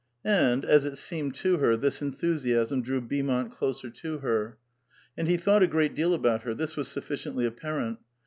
And, as it seemed to her, this enthu siasm drew Beaumont closer to her. And he thought a great deal about her; this was sufficiently apparent.